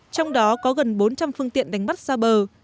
trong đó có gần bốn trăm linh phương tiện đánh bắt xa bờ